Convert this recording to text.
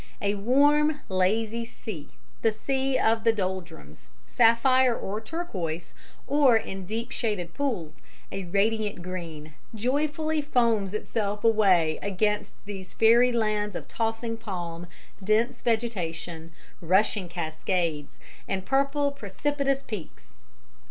A warm, lazy sea, the sea of the doldrums, sapphire or turquoise, or, in deep shaded pools, a radiant green, joyfully foams itself away against these fairy lands of tossing palm, dense vegetation, rushing cascades, and purple, precipitous peaks.